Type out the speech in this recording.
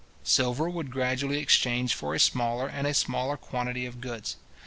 Silver would gradually exchange for a smaller and a smaller quantity of goods.